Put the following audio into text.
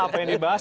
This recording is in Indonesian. apa yang dibahas